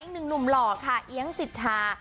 อีกหนึ่งหนุ่มหล่อค่ะเอี๊ยงสิทธา